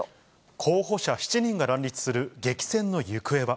候補者７人が乱立する激戦の行方は。